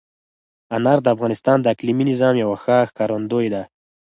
انار د افغانستان د اقلیمي نظام یوه ښه ښکارندوی ده.